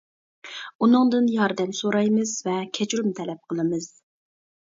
ئۇنىڭدىن ياردەم سورايمىز ۋە كەچۈرۈم تەلەپ قىلىمىز.